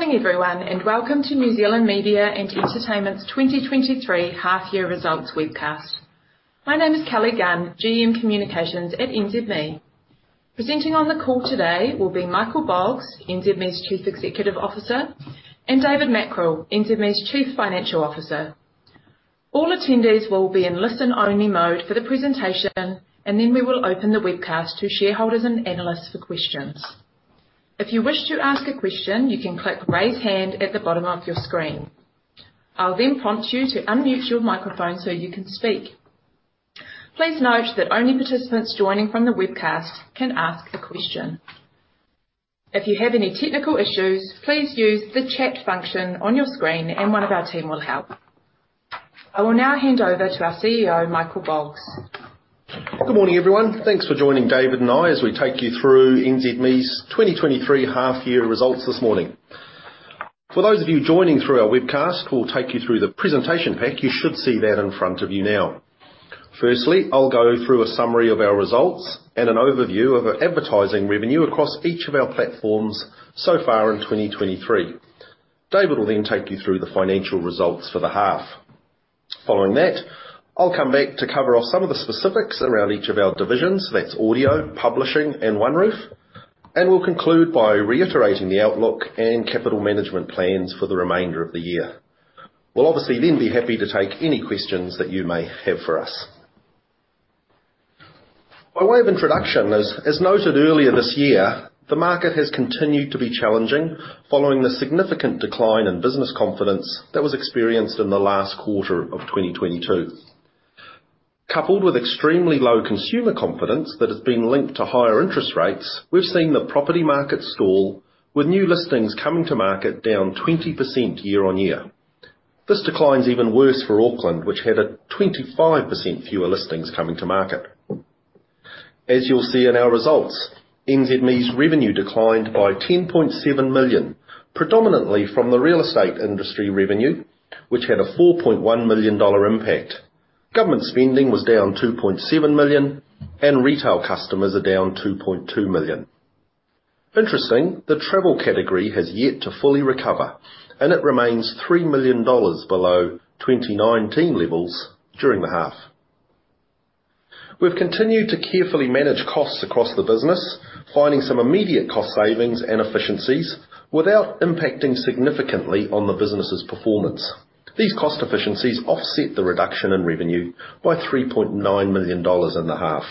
Morning everyone, and welcome to New Zealand Media and Entertainment's 2023 half year results webcast. My name is Kelly Gunn, GM Communications at NZME. Presenting on the call today will be Michael Boggs, NZME's Chief Executive Officer, and David Mackrell, NZME's Chief Financial Officer. All attendees will be in listen-only mode for the presentation, and then we will open the webcast to shareholders and analysts for questions. If you wish to ask a question, you can click Raise Hand at the bottom of your screen. I'll then prompt you to unmute your microphone so you can speak. Please note that only participants joining from the webcast can ask a question. If you have any technical issues, please use the chat function on your screen, and one of our team will help. I will now hand over to our CEO, Michael Boggs. Good morning, everyone. Thanks for joining David and I as we take you through NZME's 2023 half year results this morning. For those of you joining through our webcast, we'll take you through the presentation pack. You should see that in front of you now. Firstly, I'll go through a summary of our results and an overview of our advertising revenue across each of our platforms so far in 2023. David will then take you through the financial results for the half. Following that, I'll come back to cover off some of the specifics around each of our divisions. That's Audio, Publishing, and OneRoof. We'll conclude by reiterating the outlook and capital management plans for the remainder of the year. We'll obviously then be happy to take any questions that you may have for us. By way of introduction, as noted earlier this year, the market has continued to be challenging following the significant decline in business confidence that was experienced in the last quarter of 2022. Coupled with extremely low consumer confidence that has been linked to higher interest rates, we've seen the property market stall, with new listings coming to market down 20% year-on-year. This decline is even worse for Auckland, which had a 25% fewer listings coming to market. As you'll see in our results, NZME's revenue declined by 10.7 million, predominantly from the real estate industry revenue, which had a 4.1 million dollar impact. Government spending was down 2.7 million, and retail customers are down 2.2 million. Interesting, the travel category has yet to fully recover, and it remains 3 million dollars below 2019 levels during the half. We've continued to carefully manage costs across the business, finding some immediate cost savings and efficiencies without impacting significantly on the business's performance. These cost efficiencies offset the reduction in revenue by 3.9 million dollars in the half.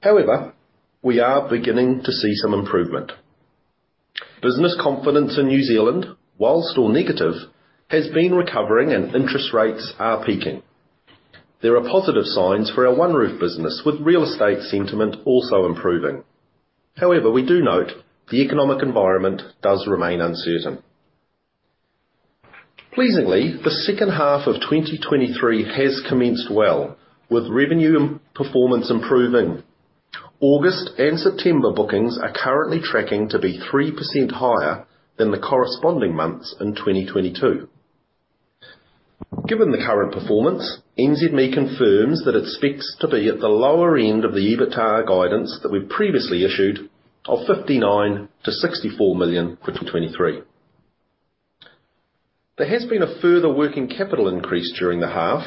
However, we are beginning to see some improvement. Business confidence in New Zealand, while still negative, has been recovering, and interest rates are peaking. There are positive signs for our OneRoof business, with real estate sentiment also improving. However, we do note the economic environment does remain uncertain. Pleasingly, the second half of 2023 has commenced well, with revenue and performance improving. August and September bookings are currently tracking to be 3% higher than the corresponding months in 2022. Given the current performance, NZME confirms that it expects to be at the lower end of the EBITDA guidance that we previously issued of 59 million-64 million for 2023. There has been a further working capital increase during the half.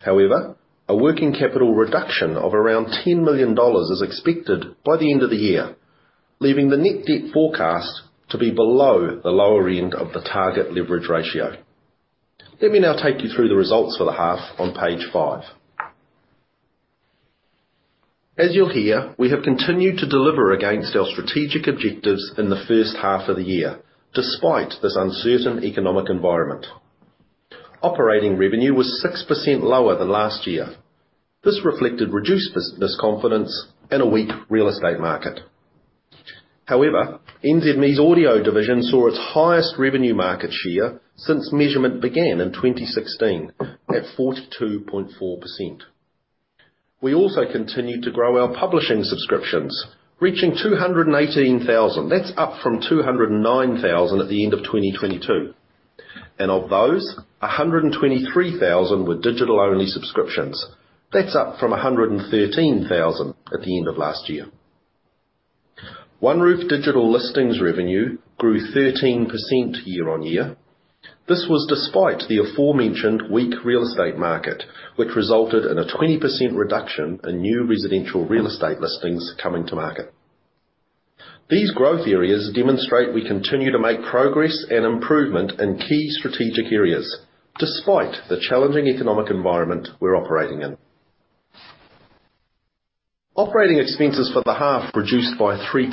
However, a working capital reduction of around 10 million dollars is expected by the end of the year, leaving the net debt forecast to be below the lower end of the target leverage ratio. Let me now take you through the results for the half on page five. As you'll hear, we have continued to deliver against our strategic objectives in the first half of the year, despite this uncertain economic environment. Operating revenue was 6% lower than last year. This reflected reduced business confidence and a weak real estate market. However, NZME's Audio division saw its highest revenue market share since measurement began in 2016, at 42.4%. We also continued to grow our publishing subscriptions, reaching 218,000. That's up from 209,000 at the end of 2022, and of those, 123,000 were digital-only subscriptions. That's up from 113,000 at the end of last year. OneRoof digital listings revenue grew 13% year-on-year. This was despite the aforementioned weak real estate market, which resulted in a 20% reduction in new residential real estate listings coming to market. These growth areas demonstrate we continue to make progress and improvement in key strategic areas, despite the challenging economic environment we're operating in. Operating expenses for the half reduced by 3%.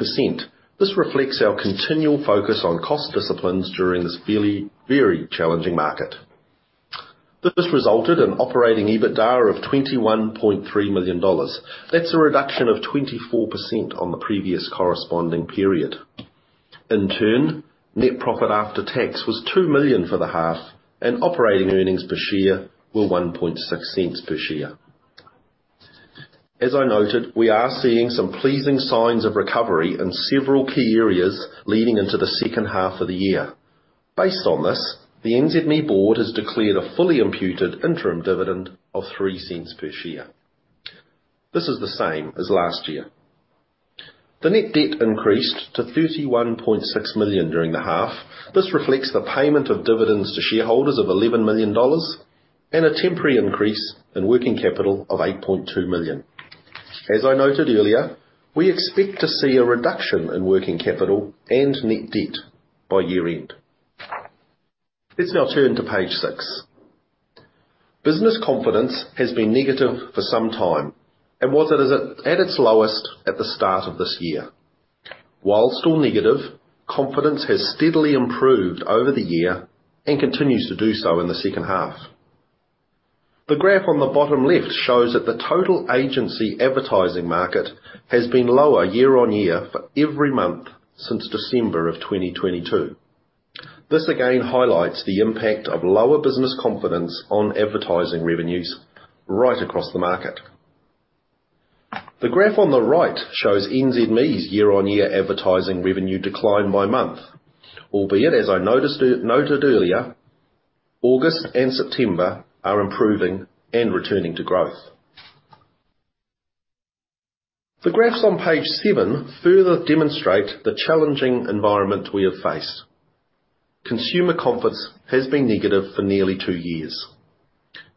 This reflects our continual focus on cost disciplines during this really very challenging market. This resulted in operating EBITDA of 21.3 million dollars. That's a reduction of 24% on the previous corresponding period. In turn, net profit after tax was 2 million for the half, and operating earnings per share were 1.6 cents per share. As I noted, we are seeing some pleasing signs of recovery in several key areas leading into the second half of the year. Based on this, the NZME board has declared a fully imputed interim dividend of 3 cents per share. This is the same as last year. The net debt increased to 31.6 million during the half. This reflects the payment of dividends to shareholders of 11 million dollars and a temporary increase in working capital of 8.2 million. As I noted earlier, we expect to see a reduction in working capital and net debt by year-end. Let's now turn to page six. Business confidence has been negative for some time, and was at its lowest at the start of this year. While still negative, confidence has steadily improved over the year and continues to do so in the second half. The graph on the bottom left shows that the total agency advertising market has been lower year-on-year for every month since December 2022. This again highlights the impact of lower business confidence on advertising revenues right across the market. The graph on the right shows NZME's year-on-year advertising revenue decline by month, albeit, as I noted earlier, August and September are improving and returning to growth. The graphs on page seven further demonstrate the challenging environment we have faced. Consumer confidence has been negative for nearly two years.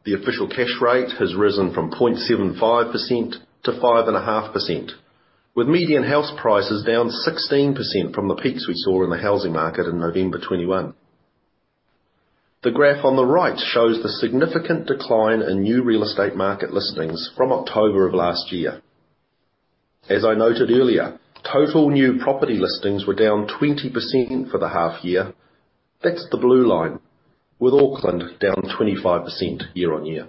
The official cash rate has risen from 0.75% to 5.5%, with median house prices down 16% from the peaks we saw in the housing market in November 2021. The graph on the right shows the significant decline in new real estate market listings from October of last year. As I noted earlier, total new property listings were down 20% for the half year. That's the blue line, with Auckland down 25% year-on-year.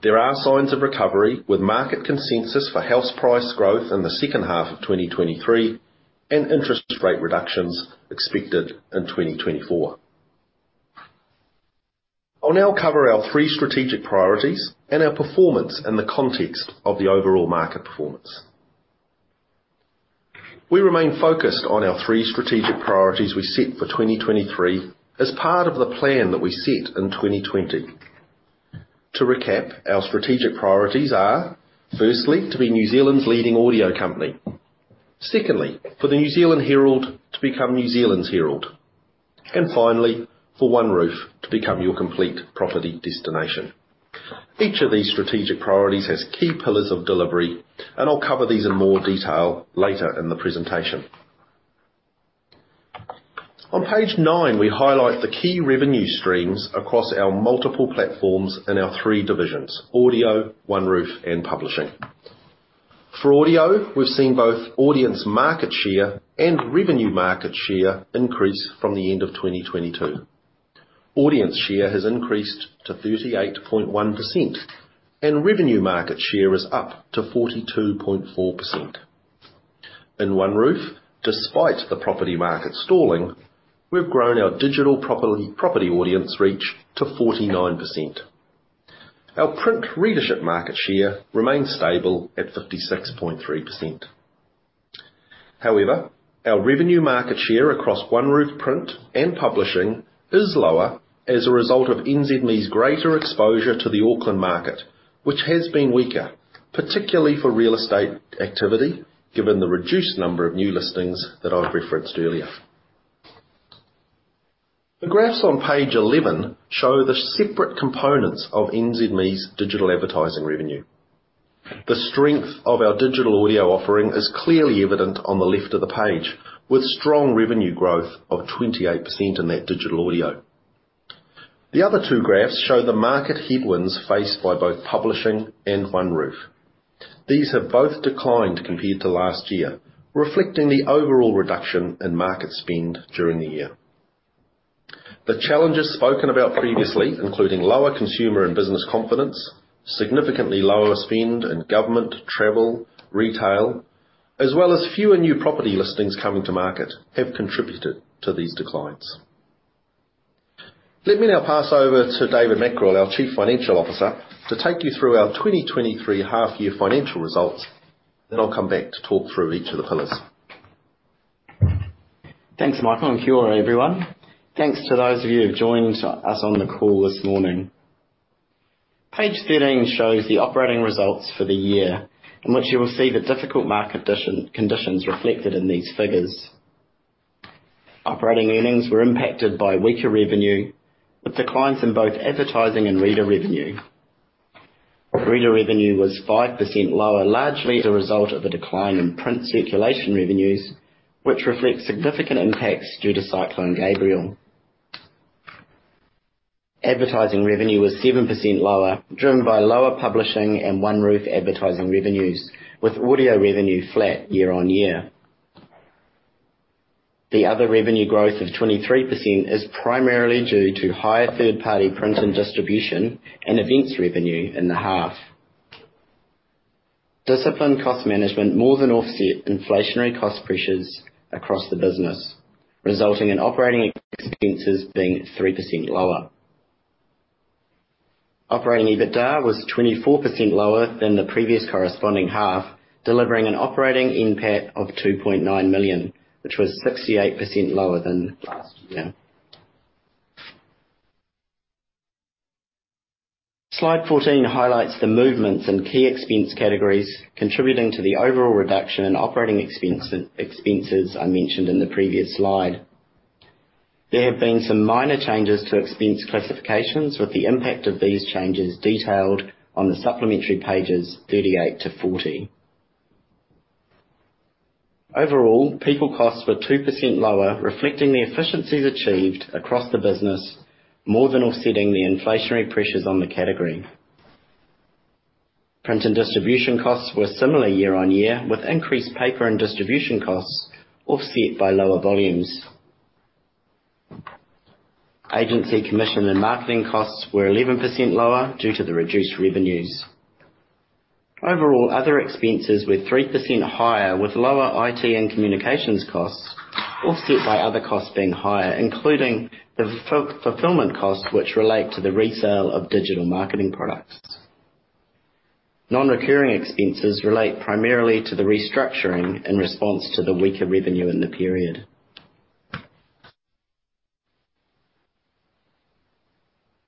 There are signs of recovery, with market consensus for house price growth in the second half of 2023 and interest rate reductions expected in 2024. I'll now cover our three strategic priorities and our performance in the context of the overall market performance. We remain focused on our three strategic priorities we set for 2023 as part of the plan that we set in 2020. To recap, our strategic priorities are, firstly, to be New Zealand's leading audio company. Secondly, for the New Zealand Herald to become New Zealand's Herald. And finally, for OneRoof to become your complete property destination. Each of these strategic priorities has key pillars of delivery, and I'll cover these in more detail later in the presentation. On page nine, we highlight the key revenue streams across our multiple platforms in our three divisions: Audio, OneRoof, and Publishing. For Audio, we've seen both audience market share and revenue market share increase from the end of 2022. Audience share has increased to 38.1%, and revenue market share is up to 42.4%. In OneRoof, despite the property market stalling, we've grown our digital property audience reach to 49%. Our print readership market share remains stable at 56.3%. However, our revenue market share across OneRoof print and publishing is lower as a result of NZME's greater exposure to the Auckland market, which has been weaker, particularly for real estate activity, given the reduced number of new listings that I've referenced earlier. The graphs on page 11 show the separate components of NZME's digital advertising revenue. The strength of our digital audio offering is clearly evident on the left of the page, with strong revenue growth of 28% in that digital audio. The other two graphs show the market headwinds faced by both publishing and OneRoof. These have both declined compared to last year, reflecting the overall reduction in market spend during the year. The challenges spoken about previously, including lower consumer and business confidence, significantly lower spend in government, travel, retail, as well as fewer new property listings coming to market, have contributed to these declines. Let me now pass over to David Mackrell, our Chief Financial Officer, to take you through our 2023 half-year financial results. Then I'll come back to talk through each of the pillars. Thanks, Michael, and kia ora, everyone. Thanks to those of you who've joined us on the call this morning. Page 13 shows the operating results for the year, in which you will see the difficult market conditions reflected in these figures. Operating earnings were impacted by weaker revenue, with declines in both advertising and reader revenue. Reader revenue was 5% lower, largely as a result of a decline in print circulation revenues, which reflects significant impacts due to Cyclone Gabrielle. Advertising revenue was 7% lower, driven by lower publishing and OneRoof advertising revenues, with audio revenue flat year-on-year. The other revenue growth of 23% is primAriely due to higher third-party print and distribution and events revenue in the half. Disciplined cost management more than offset inflationary cost pressures across the business, resulting in operating expenses being 3% lower. Operating EBITDA was 24% lower than the previous corresponding half, delivering an operating NPAT of 2.9 million, which was 68% lower than last year. Slide 14 highlights the movements in key expense categories contributing to the overall reduction in operating expense, expenses I mentioned in the previous slide. There have been some minor changes to expense classifications, with the impact of these changes detailed on the supplementary pages 38-40. Overall, people costs were 2% lower, reflecting the efficiencies achieved across the business, more than offsetting the inflationary pressures on the category. Print and distribution costs were similar year-on-year, with increased paper and distribution costs offset by lower volumes. Agency commission and marketing costs were 11% lower due to the reduced revenues. Overall, other expenses were 3% higher, with lower IT and communications costs offset by other costs being higher, including the fulfillment costs, which relate to the resale of digital marketing products. Non-recurring expenses relate primAriely to the restructuring in response to the weaker revenue in the period.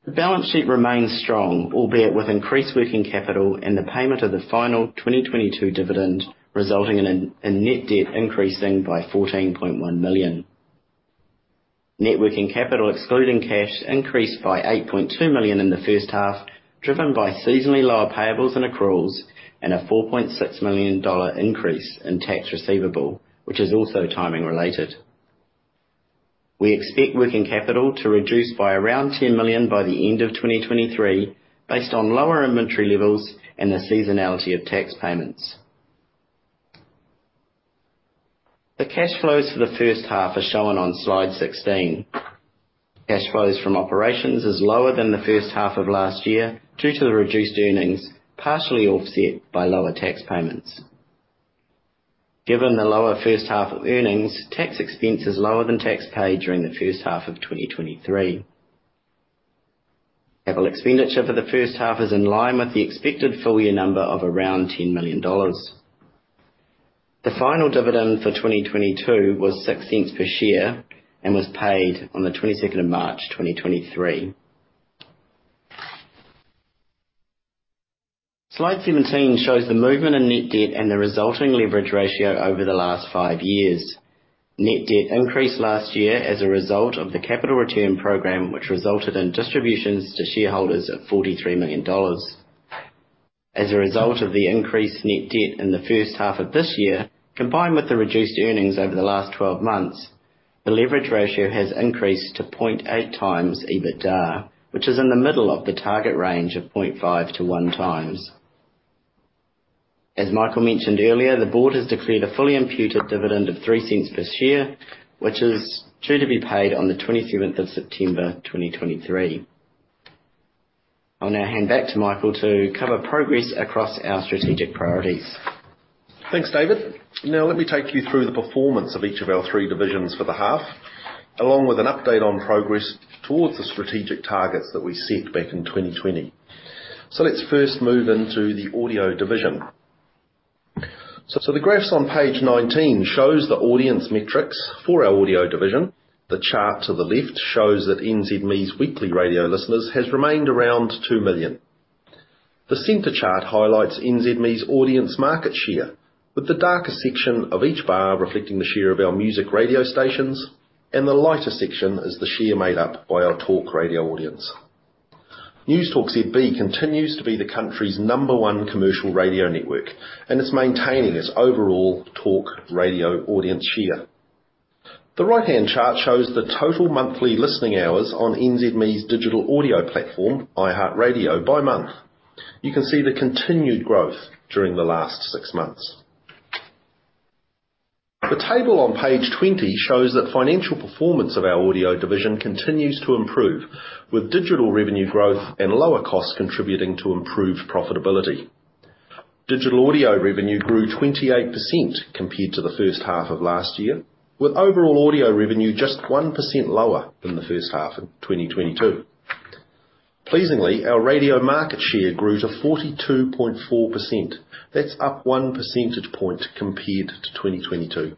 The balance sheet remains strong, albeit with increased working capital and the payment of the final 2022 dividend, resulting in net debt increasing by 14.1 million. Net working capital, excluding cash, increased by 8.2 million in the first half, driven by seasonally lower payables and accruals, and a 4.6 million dollar increase in tax receivable, which is also timing related. We expect working capital to reduce by around 10 million by the end of 2023, based on lower inventory levels and the seasonality of tax payments. The cash flows for the first half are shown on Slide 16. Cash flows from operations is lower than the first half of last year due to the reduced earnings, partially offset by lower tax payments. Given the lower first half of earnings, tax expense is lower than tax paid during the first half of 2023. Capital expenditure for the first half is in line with the expected full year number of around 10 million dollars. The final dividend for 2022 was 0.06 per share and was paid on the 22nd of March, 2023. Slide 17 shows the movement in net debt and the resulting leverage ratio over the last five years. Net debt increased last year as a result of the capital return program, which resulted in distributions to shareholders of 43 million dollars. As a result of the increased net debt in the first half of this year, combined with the reduced earnings over the last 12 months, the leverage ratio has increased to 0.8 times EBITDA, which is in the middle of the target range of 0.5-1 times. As Michael mentioned earlier, the board has declared a fully imputed dividend of 0.03 per share, which is due to be paid on the 27th of September, 2023. I'll now hand back to Michael to cover progress across our strategic priorities. Thanks, David. Now, let me take you through the performance of each of our three divisions for the half, along with an update on progress towards the strategic targets that we set back in 2020. So let's first move into the Audio division. So the graphs on page 19 shows the audience metrics for our Audio division. The chart to the left shows that NZME's weekly radio listeners has remained around 2 million. The center chart highlights NZME's audience market share, with the darker section of each bar reflecting the share of our music radio stations, and the lighter section is the share made up by our talk radio audience. Newstalk ZB continues to be the country's number one commercial radio network, and it's maintaining its overall talk radio audience share. The right-hand chart shows the total monthly listening hours on NZME's digital audio platform, iHeartRadio, by month. You can see the continued growth during the last six months. The table on page 20 shows that financial performance of our Audio division continues to improve, with digital revenue growth and lower costs contributing to improved profitability. Digital audio revenue grew 28% compared to the first half of last year, with overall audio revenue just 1% lower than the first half of 2022. Pleasingly, our radio market share grew to 42.4%. That's up one percentage point compared to 2022.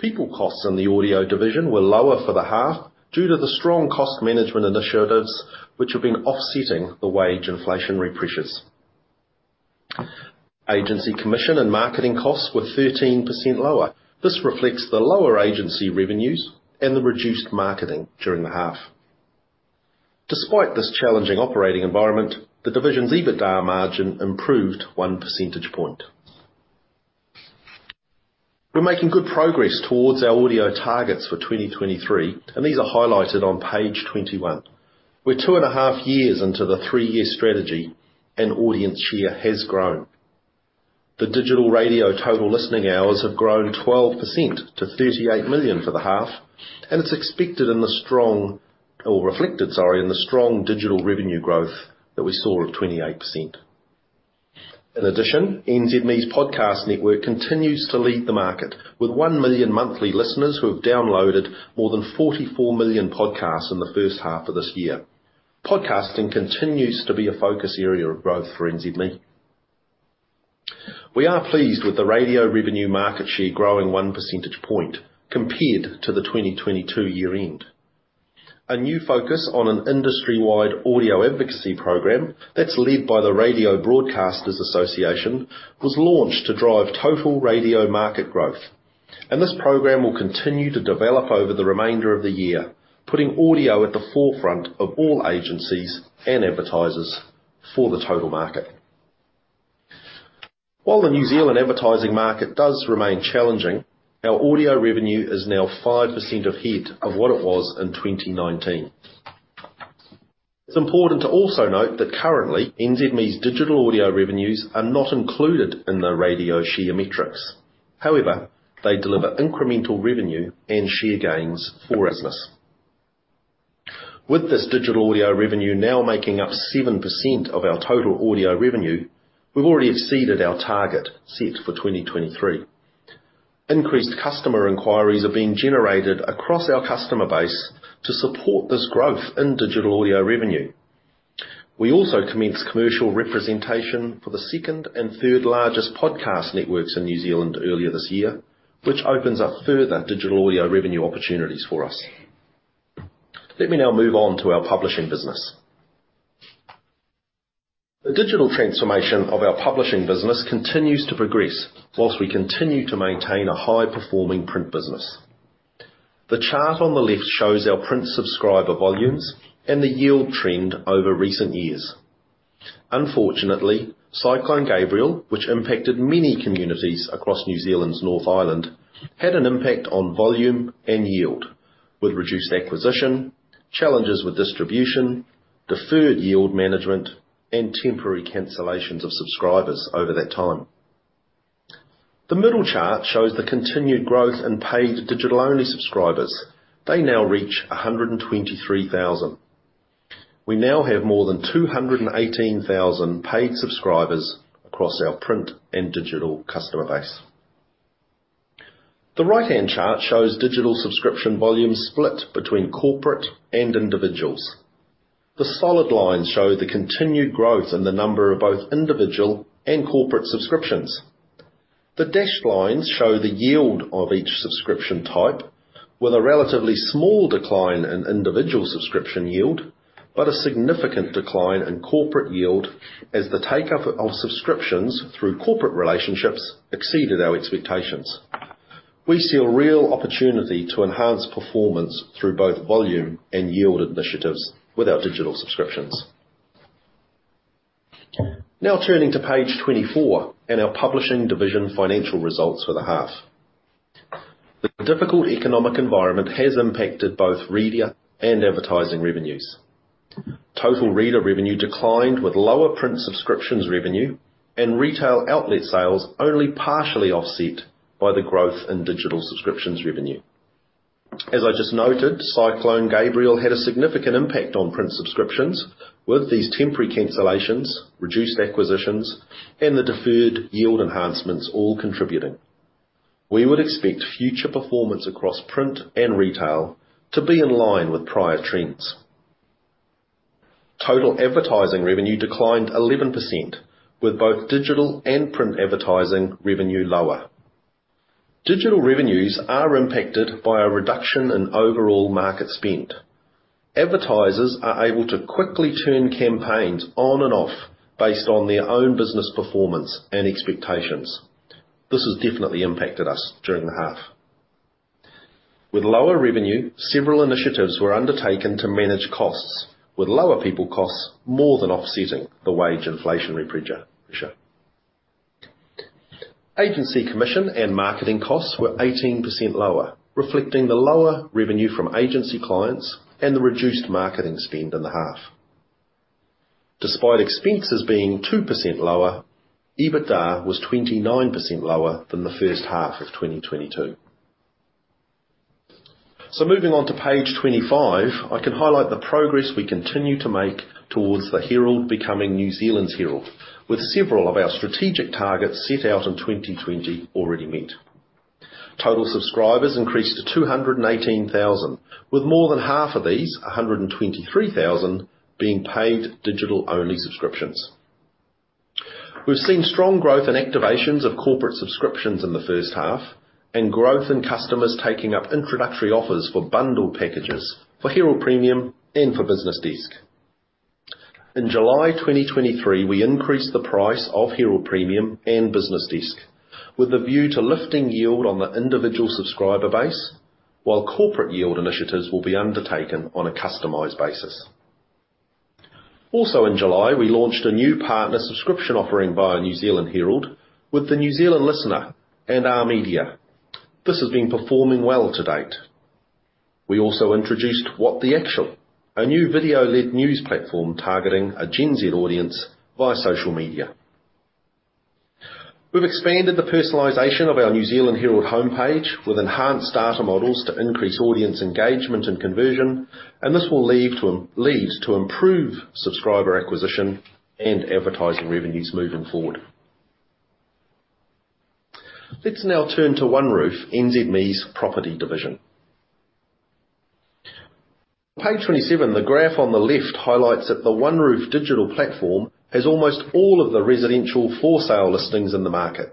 People costs in the Audio division were lower for the half due to the strong cost management initiatives, which have been offsetting the wage inflationary pressures. Agency commission and marketing costs were 13% lower. This reflects the lower agency revenues and the reduced marketing during the half. Despite this challenging operating environment, the division's EBITDA margin improved one percentage point. We're making good progress towards our audio targets for 2023, and these are highlighted on page 21. We're two and a half years into the three year strategy, and audience share has grown. The digital radio total listening hours have grown 12% to 38 million for the half, and it's expected in the strong... or reflected, sorry, in the strong digital revenue growth that we saw of 28%. In addition, NZME's podcast network continues to lead the market, with 1 million monthly listeners who have downloaded more than 44 million podcasts in the first half of this year. Podcasting continues to be a focus area of growth for NZME. We are pleased with the radio revenue market share growing 1 percentage point compared to the 2022 year end. A new focus on an industry-wide audio advocacy program that's led by the Radio Broadcasters Association was launched to drive total radio market growth, and this program will continue to develop over the remainder of the year, putting audio at the forefront of all agencies and advertisers for the total market. While the New Zealand advertising market does remain challenging, our audio revenue is now 5% ahead of what it was in 2019. It's important to also note that currently, NZME's digital audio revenues are not included in the radio share metrics. However, they deliver incremental revenue and share gains for us. With this digital audio revenue now making up 7% of our total audio revenue, we've already exceeded our target set for 2023. Increased customer inquiries are being generated across our customer base to support this growth in digital audio revenue. We also commenced commercial representation for the second and third largest podcast networks in New Zealand earlier this year, which opens up further digital audio revenue opportunities for us. Let me now move on to our publishing business. The digital transformation of our publishing business continues to progress, while we continue to maintain a high-performing print business. The chart on the left shows our print subscriber volumes and the yield trend over recent years. Unfortunately, Cyclone Gabrielle, which impacted many communities across New Zealand's North Island, had an impact on volume and yield, with reduced acquisition, challenges with distribution, deferred yield management, and temporary cancellations of subscribers over that time. The middle chart shows the continued growth in paid digital-only subscribers. They now reach 123,000. We now have more than 218,000 paid subscribers across our print and digital customer base. The right-hand chart shows digital subscription volumes split between corporate and individuals. The solid lines show the continued growth in the number of both individual and corporate subscriptions. The dashed lines show the yield of each subscription type, with a relatively small decline in individual subscription yield, but a significant decline in corporate yield as the take-up of subscriptions through corporate relationships exceeded our expectations. We see a real opportunity to enhance performance through both volume and yield initiatives with our digital subscriptions. Now turning to page 24 and our publishing division financial results for the half. The difficult economic environment has impacted both reader and advertising revenues. Total reader revenue declined, with lower print subscriptions revenue and retail outlet sales only partially offset by the growth in digital subscriptions revenue. As I just noted, Cyclone Gabrielle had a significant impact on print subscriptions, with these temporary cancellations, reduced acquisitions, and the deferred yield enhancements all contributing. We would expect future performance across print and retail to be in line with prior trends. Total advertising revenue declined 11%, with both digital and print advertising revenue lower. Digital revenues are impacted by a reduction in overall market spend. Advertisers are able to quickly turn campaigns on and off based on their own business performance and expectations. This has definitely impacted us during the half. With lower revenue, several initiatives were undertaken to manage costs, with lower people costs more than offsetting the wage inflationary pressure. Agency commission and marketing costs were 18% lower, reflecting the lower revenue from agency clients and the reduced marketing spend in the half. Despite expenses being 2% lower, EBITDA was 29% lower than the first half of 2022. So moving on to page 25, I can highlight the progress we continue to make towards the Herald becoming New Zealand's Herald, with several of our strategic targets set out in 2020 already met. Total subscribers increased to 218,000, with more than half of these, 123,000, being paid digital-only subscriptions. We've seen strong growth in activations of corporate subscriptions in the first half, and growth in customers taking up introductory offers for bundle packages for Herald Premium and for BusinessDesk. In July 2023, we increased the price of Herald Premium and BusinessDesk, with a view to lifting yield on the individual subscriber base, while corporate yield initiatives will be undertaken on a customized basis. Also in July, we launched a new partner subscription offering by New Zealand Herald with the New Zealand Listener and Are Media. This has been performing well to date. We also introduced What the Actual, a new video-led news platform targeting a Gen Z audience via social media. We've expanded the personalization of our New Zealand Herald homepage with enhanced data models to increase audience engagement and conversion, and this will lead to improved subscriber acquisition and advertising revenues moving forward. Let's now turn to OneRoof, NZME's property division. On page 27, the graph on the left highlights that the OneRoof digital platform has almost all of the residential for-sale listings in the market.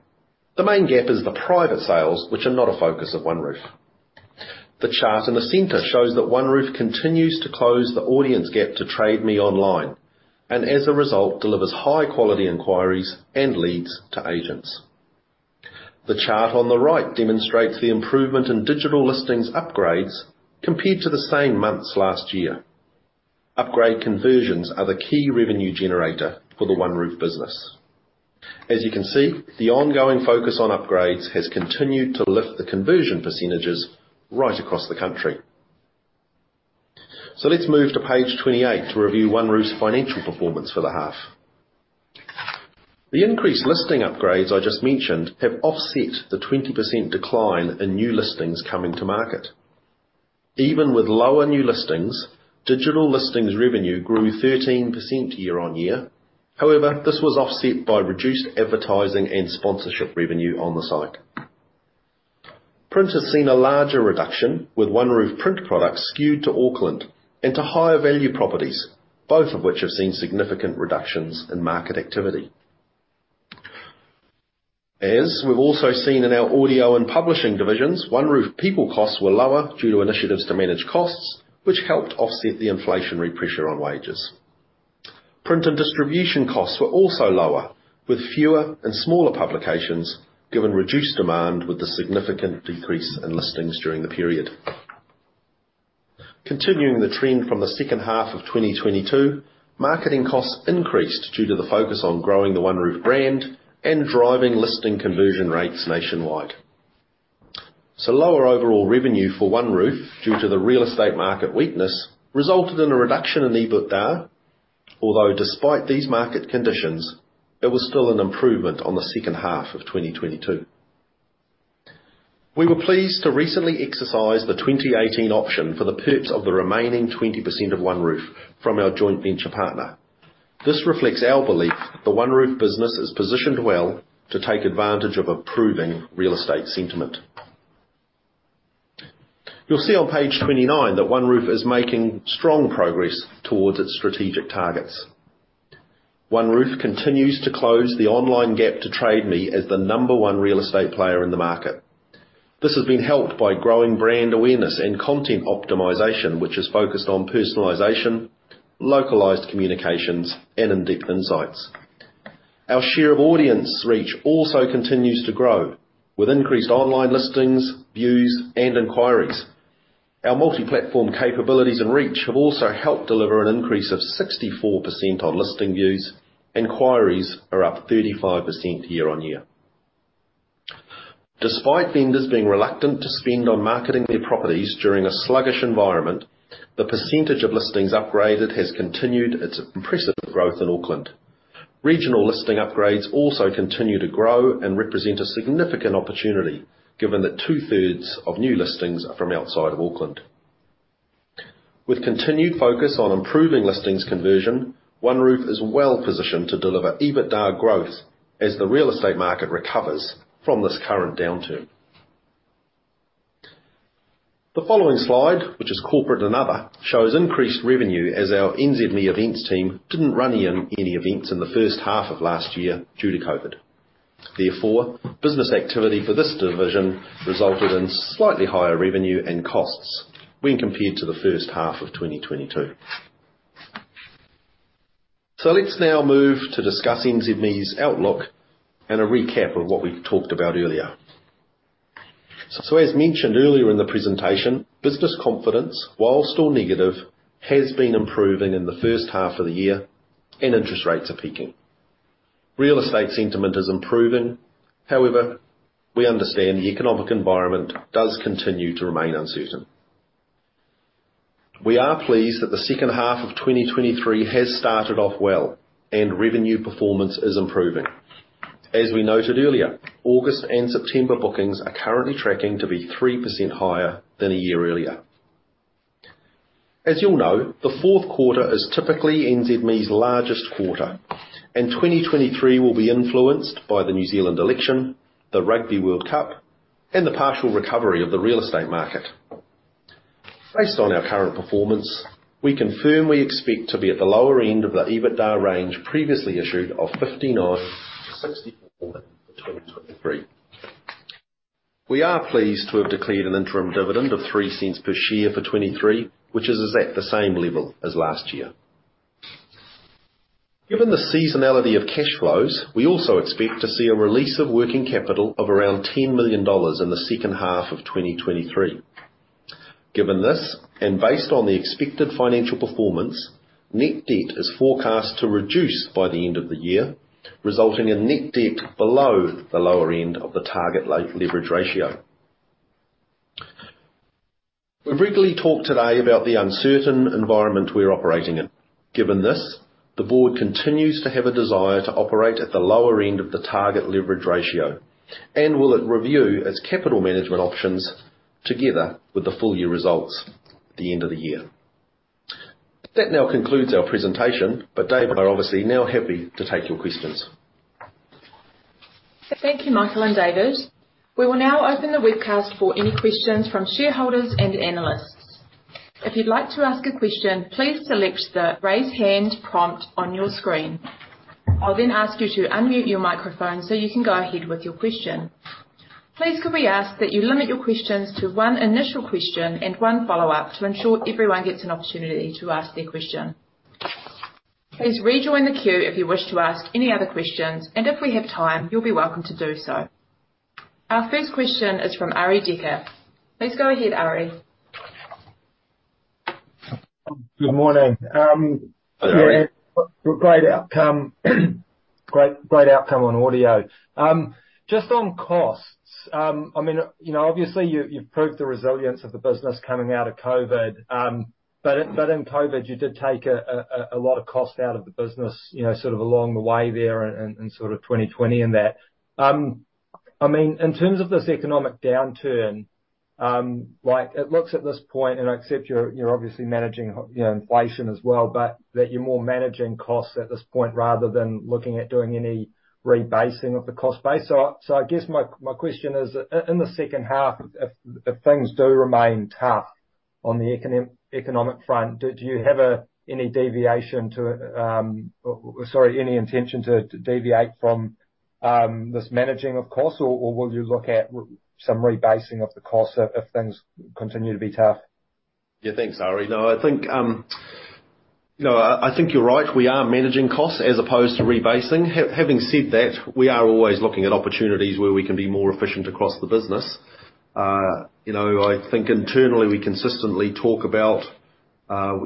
The main gap is the private sales, which are not a focus of OneRoof. The chart in the center shows that OneRoof continues to close the audience gap to Trade Me online, and as a result, delivers high-quality inquiries and leads to agents. The chart on the right demonstrates the improvement in digital listings upgrades compared to the same months last year. Upgrade conversions are the key revenue generator for the OneRoof business. As you can see, the ongoing focus on upgrades has continued to lift the conversion percentages right across the country. So let's move to page 28 to review OneRoof's financial performance for the half. The increased listing upgrades I just mentioned have offset the 20% decline in new listings coming to market. Even with lower new listings, digital listings revenue grew 13% year-on-year. However, this was offset by reduced advertising and sponsorship revenue on the site. Print has seen a larger reduction, with OneRoof print products skewed to Auckland and to higher value properties, both of which have seen significant reductions in market activity. As we've also seen in our audio and publishing divisions, OneRoof people costs were lower due to initiatives to manage costs, which helped offset the inflationary pressure on wages. Print and distribution costs were also lower, with fewer and smaller publications, given reduced demand with the significant decrease in listings during the period. Continuing the trend from the second half of 2022, marketing costs increased due to the focus on growing the OneRoof brand and driving listing conversion rates nationwide. So lower overall revenue for OneRoof due to the real estate market weakness, resulted in a reduction in EBITDA, although despite these market conditions, it was still an improvement on the second half of 2022. We were pleased to recently exercise the 2018 option for the purchase of the remaining 20% of OneRoof from our joint venture partner. This reflects our belief that the OneRoof business is positioned well to take advantage of improving real estate sentiment. You'll see on page 29 that OneRoof is making strong progress towards its strategic targets. OneRoof continues to close the online gap to Trade Me as the number one real estate player in the market. This has been helped by growing brand awareness and content optimization, which is focused on personalization, localized communications, and in-depth insights. Our share of audience reach also continues to grow with increased online listings, views, and inquiries. Our multi-platform capabilities and reach have also helped deliver an increase of 64% on listing views. Inquiries are up 35% year-on-year. Despite vendors being reluctant to spend on marketing their properties during a sluggish environment, the percentage of listings upgraded has continued its impressive growth in Auckland. Regional listing upgrades also continue to grow and represent a significant opportunity, given that 2/3 of new listings are from outside of Auckland. With continued focus on improving listings conversion, OneRoof is well positioned to deliver EBITDA growth as the real estate market recovers from this current downturn. The following slide, which is corporate and other, shows increased revenue as our NZME events team didn't run any events in the first half of last year due to COVID. Therefore, business activity for this division resulted in slightly higher revenue and costs when compared to the first half of 2022. Let's now move to discuss NZME's outlook and a recap of what we talked about earlier. So as mentioned earlier in the presentation, business confidence, while still negative, has been improving in the first half of the year, and interest rates are peaking. Real estate sentiment is improving. However, we understand the economic environment does continue to remain uncertain. We are pleased that the second half of 2023 has started off well, and revenue performance is improving. As we noted earlier, August and September bookings are currently tracking to be 3% higher than a year earlier. As you all know, the fourth quarter is typically NZME's largest quarter, and 2023 will be influenced by the New Zealand election, the Rugby World Cup, and the partial recovery of the real estate market. Based on our current performance, we confirm we expect to be at the lower end of the EBITDA range, previously issued of 59-64 for 2023. We are pleased to have declared an interim dividend of 0.03 per share for 2023, which is at the same level as last year. Given the seasonality of cash flows, we also expect to see a release of working capital of around 10 million dollars in the second half of 2023. Given this, and based on the expected financial performance, net debt is forecast to reduce by the end of the year, resulting in net debt below the lower end of the target leverage ratio. We've regularly talked today about the uncertain environment we're operating in. Given this, the board continues to have a desire to operate at the lower end of the target leverage ratio and will review its capital management options together with the full year results at the end of the year. That now concludes our presentation, but Dave are obviously now happy to take your questions. Thank you, Michael and David. We will now open the webcast for any questions from shareholders and analysts. If you'd like to ask a question, please select the Raise Hand prompt on your screen. I'll then ask you to unmute your microphone, so you can go ahead with your question. Please, could we ask that you limit your questions to one initial question and one follow-up, to ensure everyone gets an opportunity to ask their question? Please rejoin the queue if you wish to ask any other questions, and if we have time, you'll be welcome to do so. Our first question is from Arie Dekker. Please go ahead, Arie. Good morning. Hello, Arie. Yeah, great outcome. Great, great outcome on audio. Just on costs, I mean, you know, obviously, you've proved the resilience of the business coming out of COVID. But in COVID, you did take a lot of cost out of the business, you know, sort of along the way there in sort of 2020 and that. I mean, in terms of this economic downturn, like, it looks at this point, and I accept you're obviously managing, you know, inflation as well, but that you're more managing costs at this point, rather than looking at doing any rebasing of the cost base. So I guess my question is, in the second half, if things do remain tough on the economic front, do you have any deviation to? Sorry, any intention to deviate from this managing of costs? Or will you look at some rebasing of the costs if things continue to be tough? Yeah, thanks, Arie. No, I think, no, I think you're right. We are managing costs as opposed to rebasing. Having said that, we are always looking at opportunities where we can be more efficient across the business. You know, I think internally, we consistently talk about,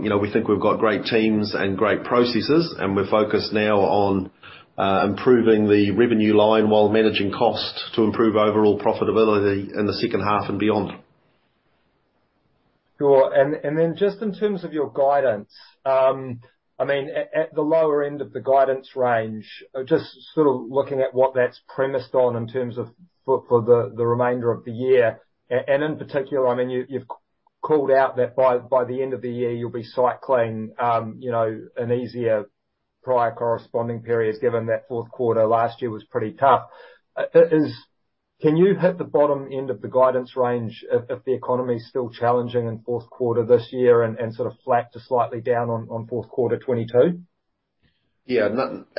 you know, we think we've got great teams and great processes, and we're focused now on, improving the revenue line while managing costs, to improve overall profitability in the second half and beyond. Sure. And then just in terms of your guidance, I mean, at the lower end of the guidance range, just sort of looking at what that's premised on in terms of for the remainder of the year. And in particular, I mean, you've called out that by the end of the year, you'll be cycling, you know, an easier prior corresponding period, given that fourth quarter last year was pretty tough. Can you hit the bottom end of the guidance range if the economy is still challenging in fourth quarter this year and sort of flat to slightly down on fourth quarter 2022? Yeah.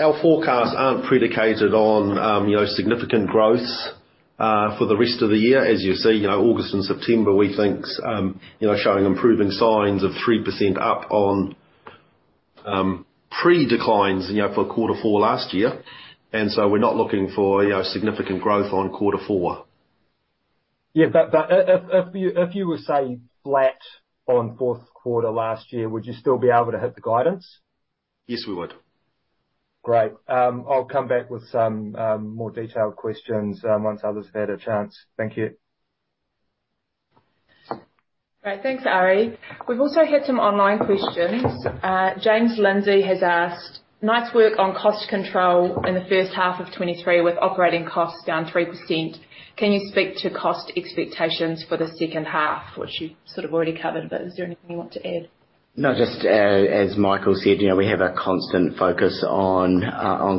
Our forecasts aren't predicated on, you know, significant growth for the rest of the year. As you see, you know, August and September, we think, you know, showing improving signs of 3% up on, you know, pre-declines for quarter four last year. And so we're not looking for, you know, significant growth on quarter four. Yeah. But, if you were, say, flat on fourth quarter last year, would you still be able to hit the guidance? Yes, we would. Great. I'll come back with some more detailed questions once others have had a chance. Thank you. Great. Thanks, Arie. We've also had some online questions. James Lindsay has asked: Nice work on cost control in the first half of 2023, with operating costs down 3%. Can you speak to cost expectations for the second half? Which you sort of already covered, but is there anything you want to add? No, just as Michael said, you know, we have a constant focus on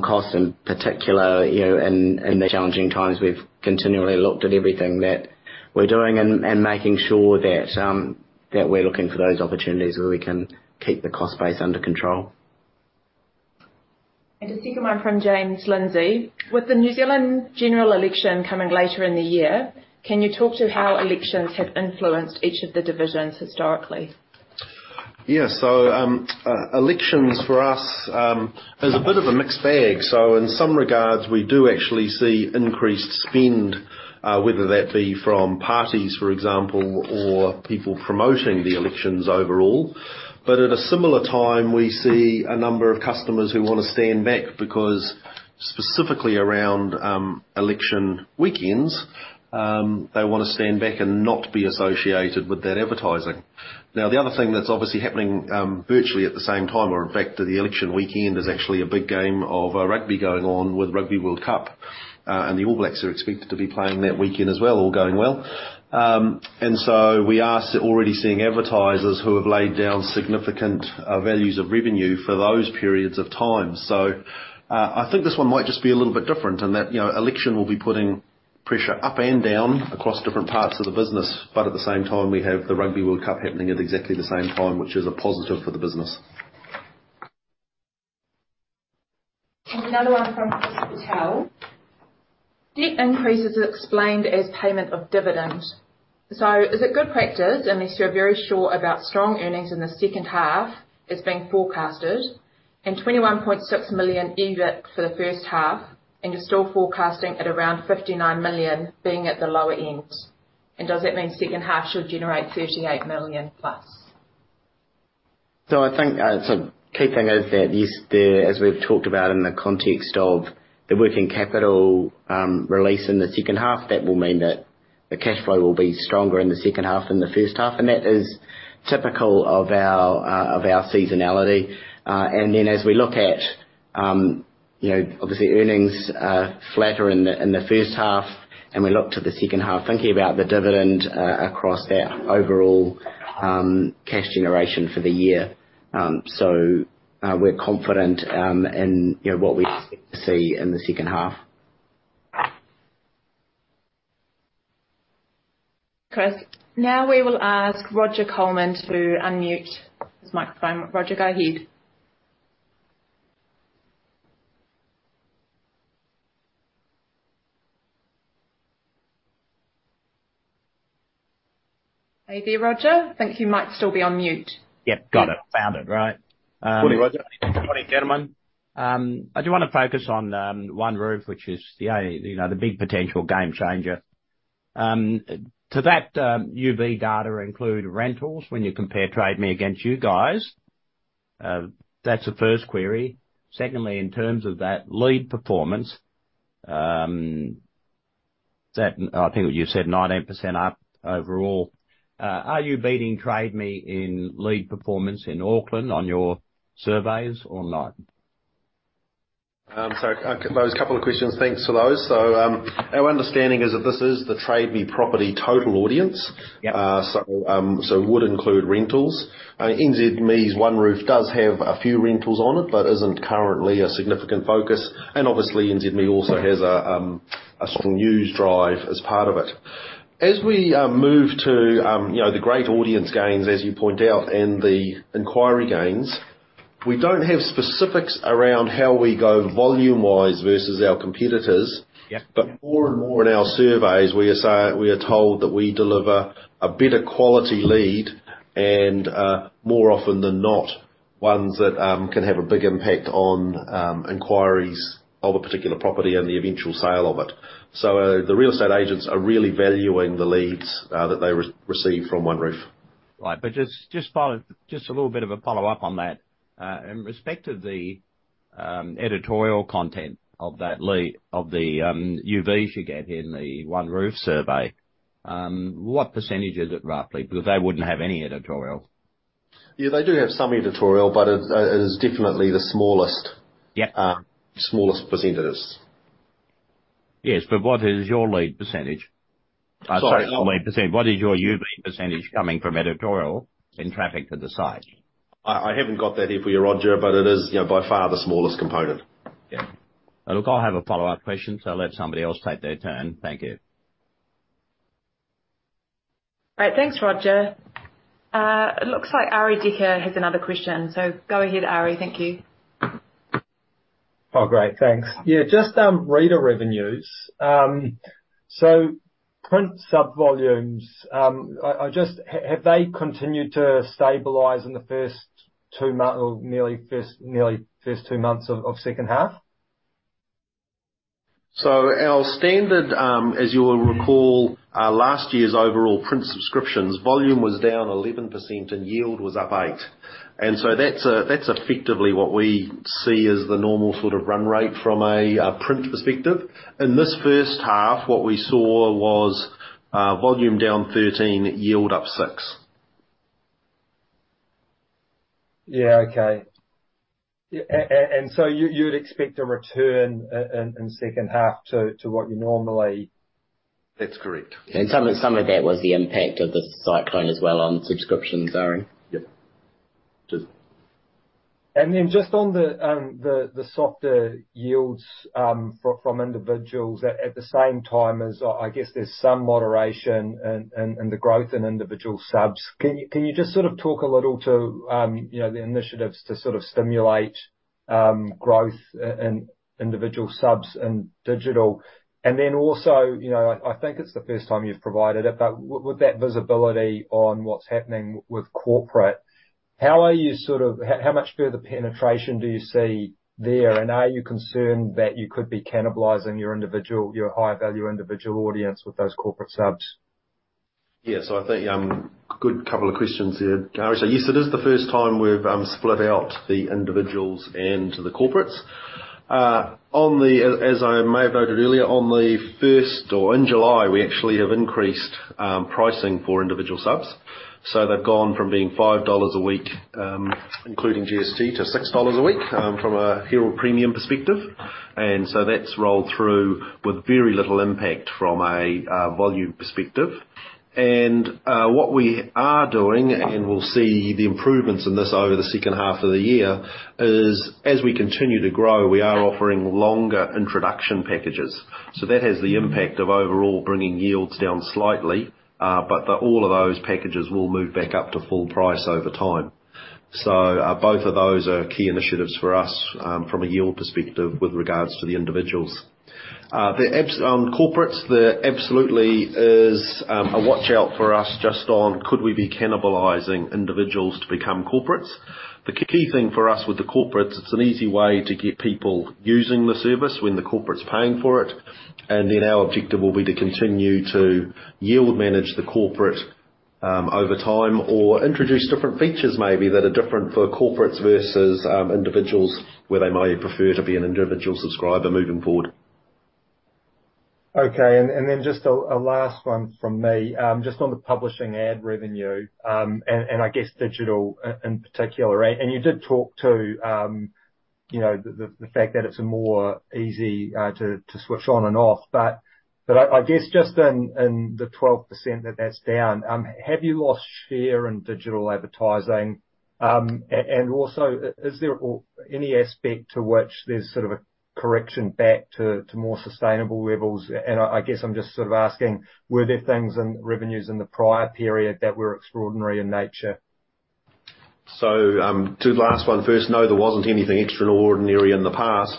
cost, in particular, you know, in the challenging times. We've continually looked at everything that we're doing and making sure that we're looking for those opportunities where we can keep the cost base under control. A second one from James Lindsay: With the New Zealand general election coming later in the year, can you talk to how elections have influenced each of the divisions historically? Yeah. So, elections for us is a bit of a mixed bag. So in some regards, we do actually see increased spend, whether that be from parties, for example, or people promoting the elections overall. But at a similar time, we see a number of customers who wanna stand back, because specifically around election weekends, they wanna stand back and not be associated with that advertising. Now, the other thing that's obviously happening, virtually at the same time, or in fact, the election weekend, there's actually a big game of rugby going on with Rugby World Cup. And the All Blacks are expected to be playing that weekend as well, all going well. And so we are already seeing advertisers who have laid down significant values of revenue for those periods of time. So, I think this one might just be a little bit different in that, you know, election will be putting pressure up and down across different parts of the business, but at the same time, we have the Rugby World Cup happening at exactly the same time, which is a positive for the business. And another one from Christopher Towell: Debt increase is explained as payment of dividend. So is it good practice, unless you're very sure about strong earnings in the second half, as being forecasted, and 21.6 million EBIT for the first half, and you're still forecasting at around 59 million being at the lower end? And does that mean second half should generate 38 million+? I think the key thing is that, yes, as we've talked about in the context of the working capital release in the second half, that will mean that the cash flow will be stronger in the second half than the first half, and that is typical of our seasonality. Then as we look at, you know, obviously, earnings are flatter in the first half, and we look to the second half, thinking about the dividend across our overall cash generation for the year. So, we're confident in you know what we expect to see in the second half. Chris, now we will ask Roger Colman to unmute his microphone. Roger, go ahead. Are you there, Roger? I think you might still be on mute. Yep, got it. Found it, right? Morning, Roger. Morning, gentlemen. I do wanna focus on, OneRoof, which is the, you know, the big potential game changer. To that, UV data include rentals when you compare Trade Me against you guys? That's the first query. Secondly, in terms of that lead performance, that I think you said 19% up overall. Are you beating Trade Me in lead performance in Auckland on your surveys or not? So, those couple of questions, thanks for those. So, our understanding is that this is the Trade Me property total audience. Yep. So it would include rentals. NZME's OneRoof does have a few rentals on it, but isn't currently a significant focus, and obviously, NZME also has a strong news drive as part of it. As we move to, you know, the great audience gains, as you point out, and the inquiry gains, we don't have specifics around how we go volume-wise versus our competitors. Yep. But more and more in our surveys, we are told that we deliver a better quality lead and, more often than not, ones that can have a big impact on inquiries of a particular property and the eventual sale of it. So, the real estate agents are really valuing the leads that they receive from OneRoof. Right. But just, just follow, just a little bit of a follow-up on that. In respect to the editorial content of that lead, of the UVs you get in the OneRoof survey, what percentage is it roughly? Because they wouldn't have any editorial. Yeah, they do have some editorial, but it is definitely the smallest- Yep. Smallest percentage. Yes, but what is your lead percentage? Sorry- Sorry. What is your UV percentage coming from editorial in traffic to the site? I haven't got that here for you, Roger, but it is, you know, by far the smallest component. Yeah. Look, I'll have a follow-up question, so I'll let somebody else take their turn. Thank you. All right, thanks, Roger. It looks like Arie Dekker has another question, so go ahead, Arie. Thank you. Oh, great. Thanks. Yeah, just reader revenues. So print sub volumes are just... Have they continued to stabilize in the first two months or nearly first two months of second half? So our standard, as you will recall, our last year's overall print subscriptions, volume was down 11% and yield was up 8%. And so that's, that's effectively what we see as the normal sort of run rate from a, print perspective. In this first half, what we saw was, volume down 13%, yield up 6%. Yeah, okay. Yeah, and so you, you'd expect a return in second half to what you normally? That's correct. Some of that was the impact of the Cyclone as well on subscriptions, Arie? Yep. Just- And then just on the softer yields from individuals at the same time as, I guess there's some moderation in the growth in individual subs. Can you just sort of talk a little to, you know, the initiatives to sort of stimulate growth in individual subs and digital? And then also, you know, I think it's the first time you've provided it, but with that visibility on what's happening with corporate, how are you sort of how much further penetration do you see there? And are you concerned that you could be cannibalizing your individual, your high-value individual audience with those corporate subs? Yeah. So I think, good couple of questions there, Arie. So yes, it is the first time we've split out the individuals and the corporates. On the first of July, we actually have increased pricing for individual subs. So they've gone from being 5 dollars a week, including GST, to 6 dollars a week, from a Herald Premium perspective. And what we are doing, and we'll see the improvements in this over the second half of the year, is as we continue to grow, we are offering longer introduction packages. So that has the impact of overall bringing yields down slightly, but all of those packages will move back up to full price over time. So, both of those are key initiatives for us, from a yield perspective with regards to the individuals. The corporates, there absolutely is a watch-out for us just on could we be cannibalizing individuals to become corporates? The key thing for us with the corporates, it's an easy way to get people using the service when the corporate's paying for it. And then our objective will be to continue to yield manage the corporate, over time or introduce different features maybe that are different for corporates versus individuals, where they may prefer to be an individual subscriber moving forward. Okay. And then just a last one from me. Just on the publishing ad revenue, and I guess digital in particular, right? And you did talk to you know, the fact that it's more easy to switch on and off. But I guess just in the 12% that's down, have you lost share in digital advertising? And also, is there or any aspect to which there's sort of a correction back to more sustainable levels? And I guess I'm just sort of asking, were there things in revenues in the prior period that were extraordinary in nature? So, to the last one first, no, there wasn't anything extraordinary in the past.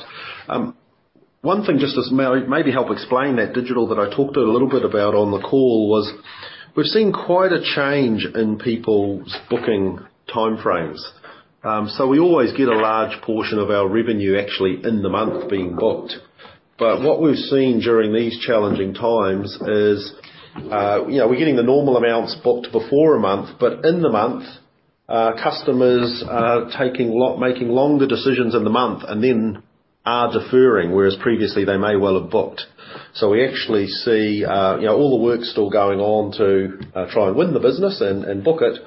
One thing, just to maybe, maybe help explain that digital, that I talked a little bit about on the call was we've seen quite a change in people's booking timeframes. So we always get a large portion of our revenue actually in the month being booked. But what we've seen during these challenging times is, you know, we're getting the normal amounts booked before a month. But in the month, customers are taking long- making longer decisions in the month and then are deferring, whereas previously, they may well have booked. So we actually see, you know, all the work still going on to try and win the business and, and book it.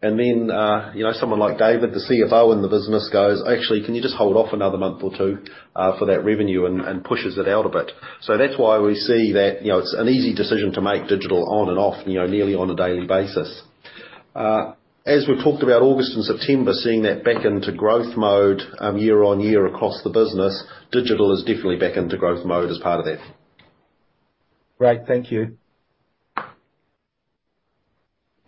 And then, you know, someone like David Mackrell, the CFO in the business, goes, "Actually, can you just hold off another month or two, for that revenue?" And pushes it out a bit. So that's why we see that, you know, it's an easy decision to make digital on and off, you know, nearly on a daily basis. As we've talked about August and September, seeing that back into growth mode, year-over-year across the business, digital is definitely back into growth mode as part of that. Great. Thank you.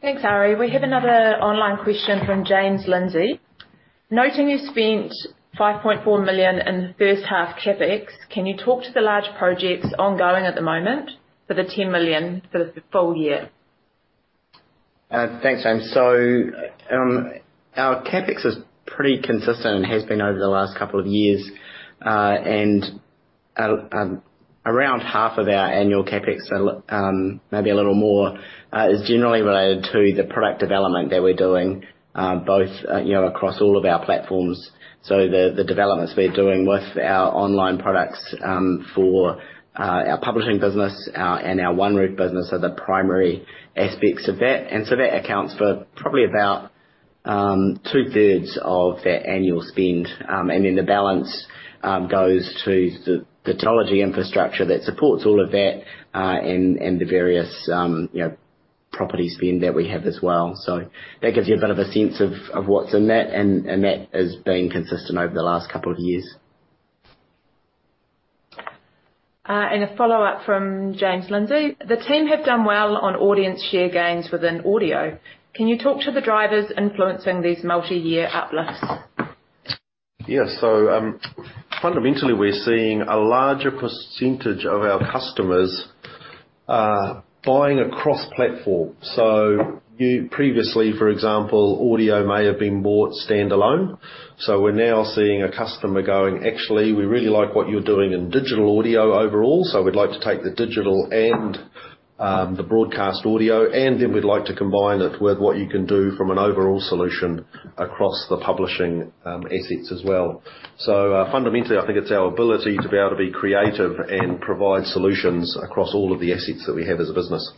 Thanks, Arie. We have another online question from James Lindsay: Noting you spent 5.4 million in the first half CapEx, can you talk to the large projects ongoing at the moment for the 10 million for the full year? Thanks, James. So, our CapEx is pretty consistent and has been over the last couple of years. And around half of our annual CapEx, maybe a little more, is generally related to the product development that we're doing, both you know, across all of our platforms. So the developments we're doing with our online products, for our publishing business, and our OneRoof business are the primary aspects of that. And so that accounts for probably about two-thirds of that annual spend. And then the balance goes to the technology infrastructure that supports all of that, and the vArieous you know, property spend that we have as well. So that gives you a bit of a sense of what's in that, and that has been consistent over the last couple of years. And a follow-up from James Lindsay: The team have done well on audience share gains within audio. Can you talk to the drivers influencing these multi-year uplifts? Yeah. So, fundamentally, we're seeing a larger percentage of our customers buying across platforms. So you previously, for example, audio may have been bought standalone, so we're now seeing a customer going: Actually, we really like what you're doing in digital audio overall, so we'd like to take the digital and the broadcast audio, and then we'd like to combine it with what you can do from an overall solution across the publishing assets as well. So, fundamentally, I think it's our ability to be able to be creative and provide solutions across all of the assets that we have as a business.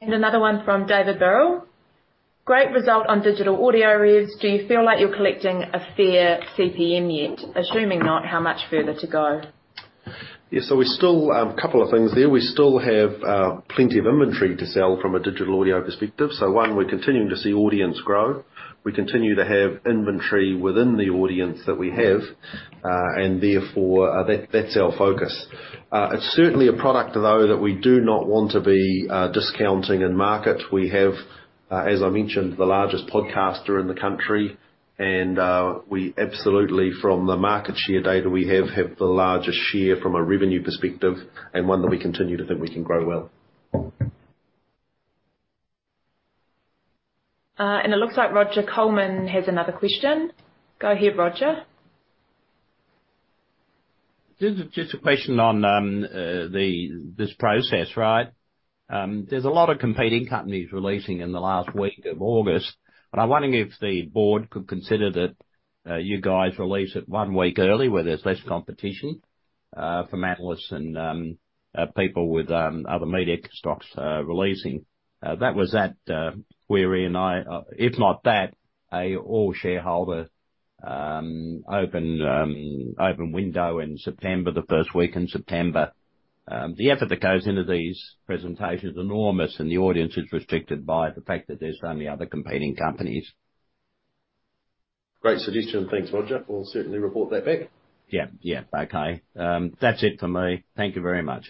And another one from David Burrell: Great result on digital audio revs. Do you feel like you're collecting a fair CPM yet? Assuming not, how much further to go? Yeah, so we still, couple of things there. We still have plenty of inventory to sell from a digital audio perspective. So one, we're continuing to see audience grow. We continue to have inventory within the audience that we have, and therefore, that, that's our focus. It's certainly a product, though, that we do not want to be discounting in market. We have, as I mentioned, the largest podcaster in the country, and we absolutely, from the market share data we have, have the largest share from a revenue perspective and one that we continue to think we can grow well. It looks like Roger Colman has another question. Go ahead, Roger. Just a question on this process, right? There's a lot of competing companies releasing in the last week of August, but I'm wondering if the board could consider that you guys release it one week early, where there's less competition from analysts and people with other media stocks releasing. That was that query, and I... If not that, an all-shareholder open window in September, the first week in September. The effort that goes into these presentations is enormous, and the audience is restricted by the fact that there's so many other competing companies. Great suggestion. Thanks, Roger. We'll certainly report that back. Yeah, yeah. Okay. That's it for me. Thank you very much.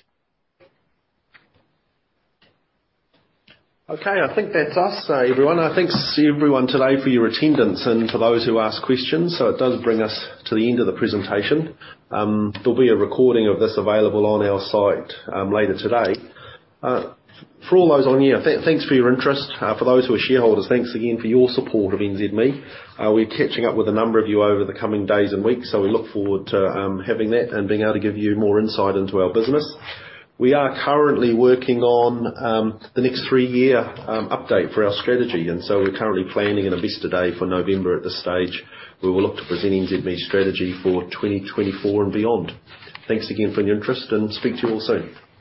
Okay, I think that's us, everyone. Thanks to everyone today for your attendance, and for those who asked questions, so it does bring us to the end of the presentation. There'll be a recording of this available on our site, later today. For all those on here, thanks for your interest. For those who are shareholders, thanks again for your support of NZME. We're catching up with a number of you over the coming days and weeks, so we look forward to having that and being able to give you more insight into our business. We are currently working on the next three-year update for our strategy, and so we're currently planning an investor day for November, at this stage. We will look to present NZME's strategy for 2024 and beyond. Thanks again for your interest, and speak to you all soon.